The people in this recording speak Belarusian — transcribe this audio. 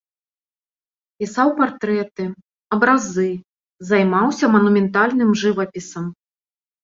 Пісаў партрэты, абразы, займаўся манументальным жывапісам.